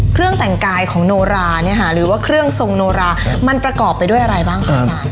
เครื่องแต่งกายของโนราเนี่ยค่ะหรือว่าเครื่องทรงโนรามันประกอบไปด้วยอะไรบ้างคะอาจารย์